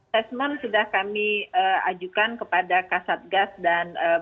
tesmon sudah kami ajukan kepada kasatgas dan beberapa